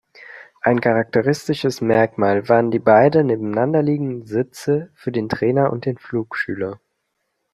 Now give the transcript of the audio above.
Ein charakteristisches Merkmal waren die beiden nebeneinanderliegenden Sitze für den Trainer und den Flugschüler.